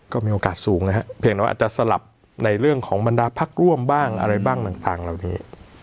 ก็มีโอกาสสูงนะครับเพียงแต่ว่าอาจจะสลับในเรื่องของบรรดาพักร่วมบ้างอะไรบ้างต่างเหล่านี้